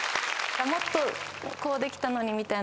もっとこうできたのにみたいな。